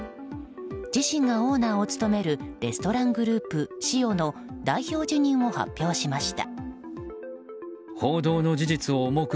自身がオーナーを務めるレストラングループｓｉｏの代表辞任を発表しました。